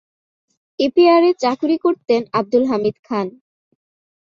ইপিআরে চাকুরি করতেন আবদুল হামিদ খান।